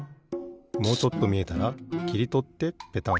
もうちょっとみえたらきりとってペタン。